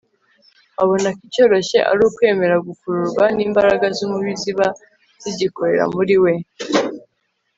abona ko icyoroshye ari ukwemera gukururwa n'imbaraga z'umubi ziba zigikorera muri we